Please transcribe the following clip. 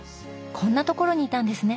こんな所にいたんですね。